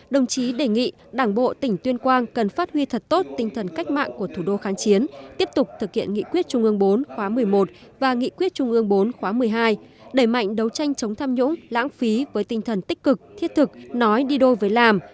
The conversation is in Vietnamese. đồng chí đề nghị đảng bộ tỉnh tuyên quang cần phát huy thật tốt tinh thần cách mạng của thủ đô kháng chiến tiếp tục thực hiện nghị quyết trung ương bốn khóa một mươi một và nghị quyết trung ương bốn khóa một mươi hai đẩy mạnh đấu tranh chống tham nhũng lãng phí với tinh thần tích cực thiết thực nói đi đôi với làm